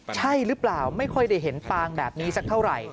ใช่หรือเปล่าไม่ค่อยได้เห็นปางแบบนี้สักเท่าไหร่